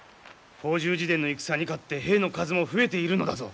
法住寺殿の戦に勝って兵の数も増えているのだぞ。